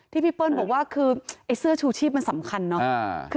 พี่เปิ้ลบอกว่าคือไอ้เสื้อชูชีพมันสำคัญเนอะ